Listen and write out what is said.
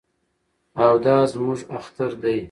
او دا زموږ اختر دی.